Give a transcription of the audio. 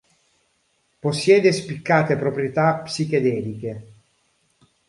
Possiede spiccate proprietà psichedeliche.